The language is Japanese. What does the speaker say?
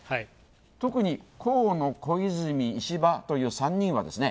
特に、候補の小泉、石破という方々はですね